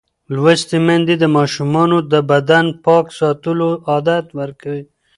لوستې میندې د ماشومانو د بدن پاک ساتلو عادت ورکوي.